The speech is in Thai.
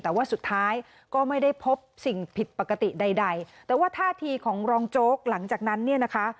แต่ว่าสุดท้ายก็ไม่ได้พบสิ่งผิดปกติใดใดแต่ว่าท่าทีของรองโจ๊กหลังจากนั้นเนี่ยนะคะ